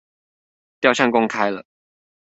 雕像公開了